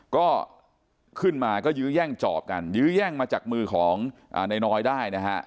ก็ขึ้นมาก็ยื้อแย่งจอบกันยื้อแย่งมาจากมือของนายน้อยได้นะฮะ